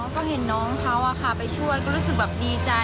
ก็เห็นน้องเขาไปช่วยก็รู้สึกแบบดีใจ